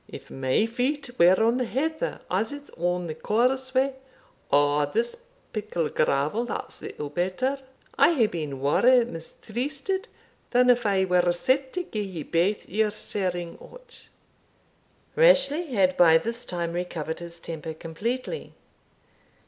If my foot were on the heather as it's on the causeway, or this pickle gravel, that's little better, I hae been waur mistrysted than if I were set to gie ye baith your ser'ing o't." Rashleigh had by this time recovered his temper completely.